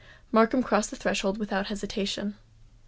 Markham crossed the threshold without hesitation.